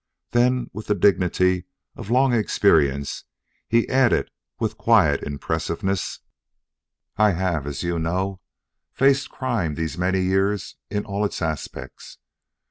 Then with the dignity of long experience, he added with quiet impressiveness: "I have, as you know, faced crime these many years in all its aspects.